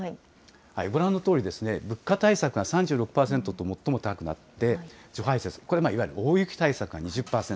ご覧のとおり、物価対策が３６％と最も高くなって、除排雪、これ、いわゆる防雪対策が２０％。